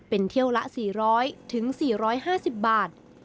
เป็นเที่ยวละ๔๐๐๔๕๐บาท